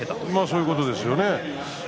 そういうことですね。